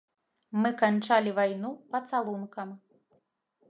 Мы канчалі вайну пацалункам.